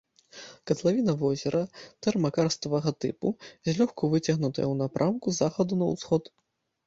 Катлавіна возера тэрмакарставага тыпу, злёгку выцягнутая ў напрамку з захаду на ўсход.